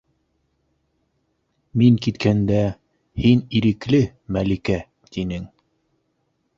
Мин киткәндә: «Һин ирекле, Мәликә!» - тинең.